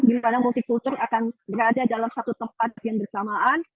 dimana multi kultur akan berada dalam satu tempat yang bersamaan